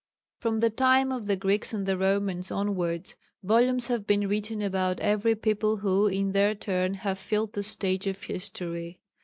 From the time of the Greeks and the Romans onwards volumes have been written about every people who in their turn have filled the stage of history.